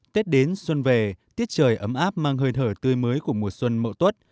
tết đến xuân về tiết trời ấm áp mang hơi thở tươi mới của mùa xuân mậu tuất